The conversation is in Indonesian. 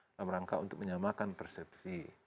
dalam rangka untuk menyamakan persepsi